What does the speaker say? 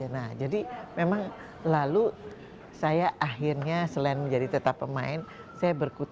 nah jadi memang lalu saya akhirnya selain menjadi tetap pemain saya juga jadi seorang pemain